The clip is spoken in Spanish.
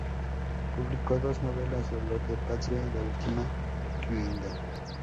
Publicó dos novelas: "Dolor de Patria" y "La última guinda".